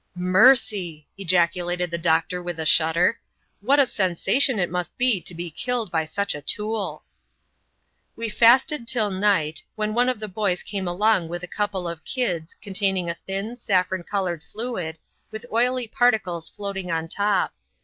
" Mercy !" ejaculated the doctor with a shudder, " what a sensation it must be to be killed by such a tool !" We fasted till night, when one of the boys came along with a couple of " kids" containing a thin, saffron coloured fluid, with oily particles floating on top.